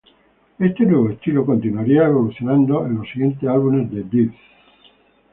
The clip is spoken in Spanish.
Este nuevo estilo continuaría evolucionando en los siguientes álbumes de Death.